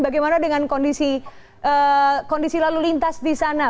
bagaimana dengan kondisi lalu lintas di sana